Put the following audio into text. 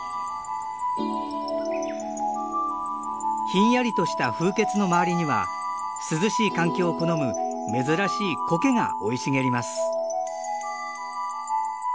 ひんやりとした風穴の周りには涼しい環境を好む珍しいコケが生い茂ります。